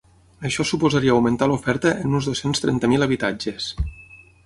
Això suposaria augmentar l’oferta en uns dos-cents trenta mil habitatges.